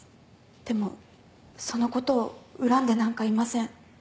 でもそのことを恨んでなんかいません。